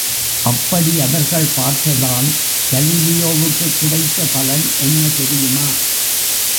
அப்படி அவர்கள் பார்த்ததால் கலீலியோவுக்கு கிடைத்த பலன் என்ன தெரியுமா?